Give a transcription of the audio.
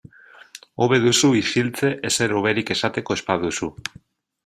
Hobe duzu isiltze ezer hoberik esateko ez baduzu.